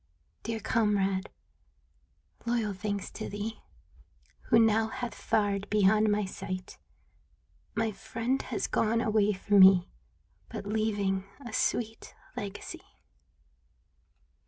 Dear comrade, loyal thanks to thee Who now hath fared beyond my sight, My friend has gone away from me. But leaving a sweet legacy.